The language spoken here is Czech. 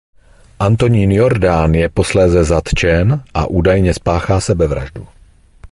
Antonín Jordán je posléze zatčen a údajně spáchá sebevraždu.